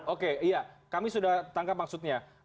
oke iya kami sudah tangkap maksudnya